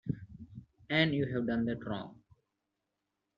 And you have done that wrong!